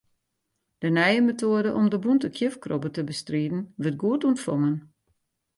De nije metoade om de bûnte kjifkrobbe te bestriden, wurdt goed ûntfongen.